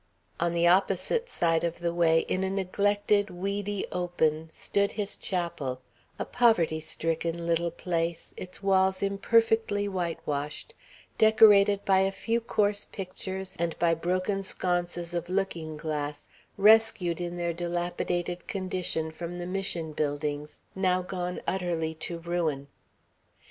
On the opposite side of the way, in a neglected, weedy open, stood his chapel, a poverty stricken little place, its walls imperfectly whitewashed, decorated by a few coarse pictures and by broken sconces of looking glass, rescued in their dilapidated condition from the Mission buildings, now gone utterly to ruin.